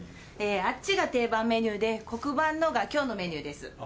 あっちが定番メニューで黒板のが今日のメニューです。